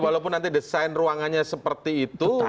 walaupun nanti desain ruangannya seperti itu